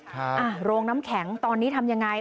ครับโรงน้ำแข็งตอนนี้ทำอย่างไร